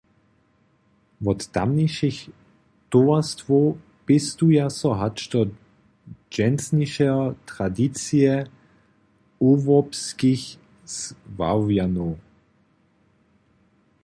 Wot tamnišich towarstwow pěstuja so hač do dźensnišeho tradicije ołobskich Słowjanow.